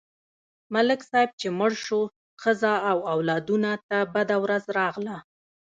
ملک صاحب چې مړ شو، ښځه او اولادونه ته بده ورځ راغله.